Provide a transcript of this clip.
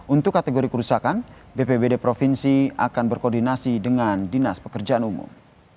untuk kategori kerusakan bpbd provinsi akan berkoordinasi dengan dinas pekerjaan umum